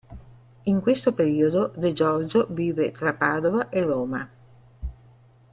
In questo periodo De Giorgio vive tra Padova e Roma.